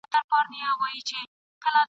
وايي مات مو خاینان کړل اوس به تښتي تور مخونه ..